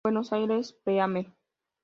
Buenos Aires: Pleamar.